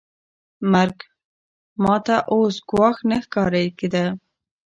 مرګ ما ته اوس ګواښ نه ښکاره کېده.